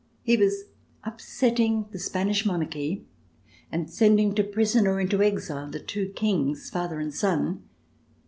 He was upsetting the Spanish monarchy and sending to prison or into exile the two Kings, father and son.